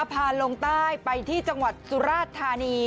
พาลงใต้ไปที่จังหวัดสุราชธานี